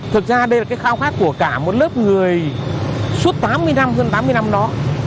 thực ra đây là cái khao khát của cả một lớp người suốt tám mươi năm hơn tám mươi năm đó